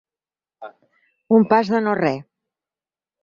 Un pas de no re.